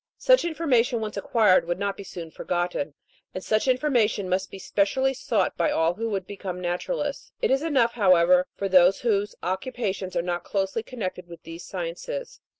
Such information once acquired, would not be soon forgotten ; and such information must be specially sought by all who would become naturalists ; it is enough, however, for those whose occupations are not closely connected with these sciences.